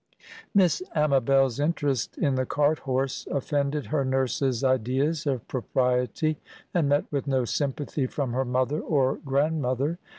"Miss Amabel's" interest in the cart horse offended her nurse's ideas of propriety, and met with no sympathy from her mother or grandmother.